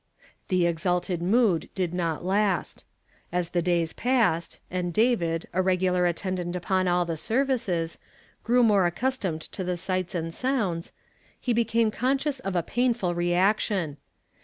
The exalted mood did not last. As the days passed, and David, a regular attendant upon all the services, grew more accustomed to the sights and sounds, he became conscious of a painful re action.